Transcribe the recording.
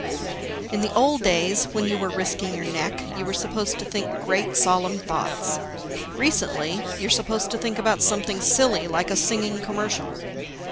In the old days, when you were risking your neck, you were supposed to think great solemn thoughts. Recently, you're supposed to think about something silly like a singing commercial.